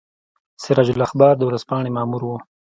سراج الاخبار د ورځپاڼې مامور وو.